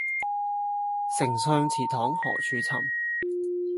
丞相祠堂何處尋